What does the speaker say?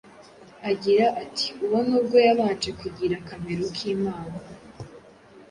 agira ati; ” uwo nubwo yabanje kugira akamero k’Imana,